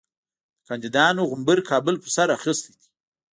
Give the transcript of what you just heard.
د کاندیدانو غومبر کابل پر سر اخیستی دی.